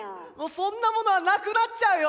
そんなものはなくなっちゃうよ！